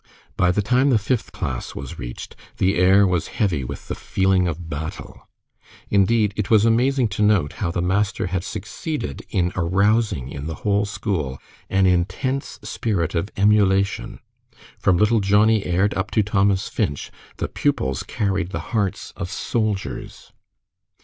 By the time the fifth class was reached, the air was heavy with the feeling of battle. Indeed, it was amazing to note how the master had succeeded in arousing in the whole school an intense spirit of emulation. From little Johnnie Aird up to Thomas Finch, the pupils carried the hearts of soldiers.